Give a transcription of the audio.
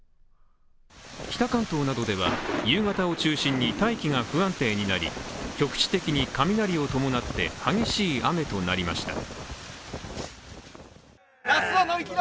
北関東などでは夕方を中心に大気が不安定になり局地的に雷を伴って激しい雨となりました。